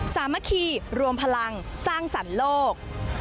สามัคคีรวมพลังสร้างสรรค์โลก